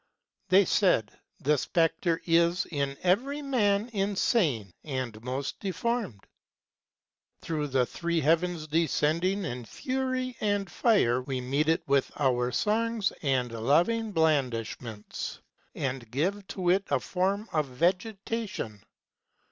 They said : The Spectre is in every man insane, and most Deformed. Through the three Heavens descending in fury and fire We meet it with our songs and loving blandishments, and give 215 To it a form of Vegetation.